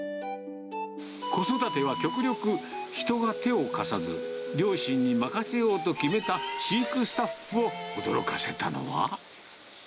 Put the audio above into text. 子育ては極力、人が手を貸さず、両親に任せようと決めた飼育スタッフを驚かせたのは。